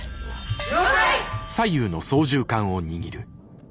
了解！